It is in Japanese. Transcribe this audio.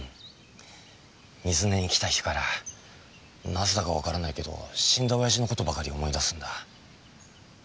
水根に来た日からなぜだかわからないけど死んだ親父のことばかり思い出すんだ。